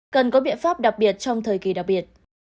cần có biện pháp đặc biệt trong thời kỳ đặc biệt